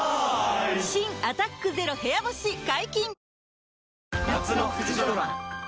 新「アタックＺＥＲＯ部屋干し」解禁‼